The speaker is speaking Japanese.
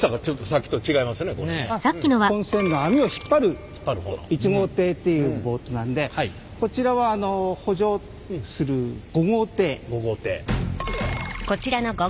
本船の網を引っ張る１号艇というボートなのでこちらは補助する５号艇。